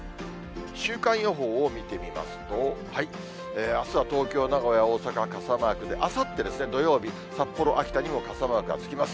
週間予報を見てみますと、あすは東京、名古屋、大阪は傘マークで、あさって土曜日、札幌、秋田にも傘マークがつきます。